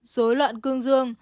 dối loạn cương dương